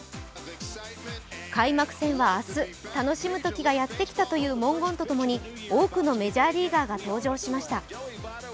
開幕戦は明日、楽しむときがやってきたという文言とともに多くのメジャーリーガーが登場しました。